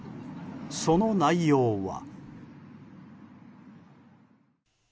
その内容は。